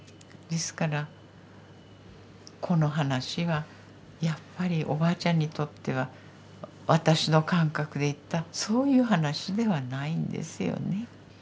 ですからこの話はやっぱりおばあちゃんにとっては私の感覚で言ったそういう話ではないんですよね。